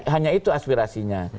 hanya itu aspirasinya